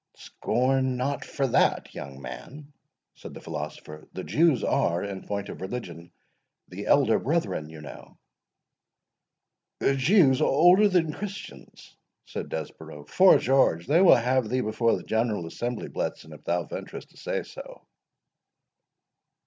"Scorn not for that, young man," said the philosopher; "the Jews are, in point of religion, the elder brethren, you know." "The Jews older than the Christians?" said Desborough, "'fore George, they will have thee before the General Assembly, Bletson, if thou venturest to say so."